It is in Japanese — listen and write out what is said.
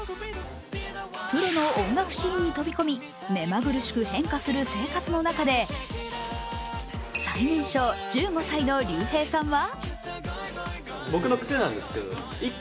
プロの音楽シーンに飛び込み目まぐるしく変化する生活の中で最年少、１５歳のＲＹＵＨＥＩさんは？